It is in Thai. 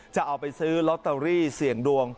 จะเอาไปซื้อลอตเตอรี่เสี่ยงดวง